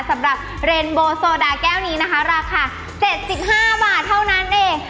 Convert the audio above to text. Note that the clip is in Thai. สำหรับเรนโบโซดาแก้วนี้นะคะราคา๗๕บาทเท่านั้นเอง